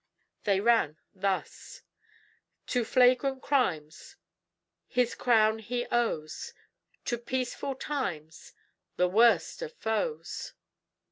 They ran thus: To flagrant crimes His crown he owes, To peaceful times The worst of foes.